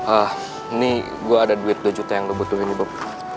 ah ini gua ada duit dua juta yang gua butuhin nih bob